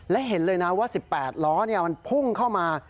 และเห็นเลยนะว่า๑๘ล้อมันพุ่งเข้ามา